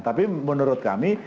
tapi menurut kami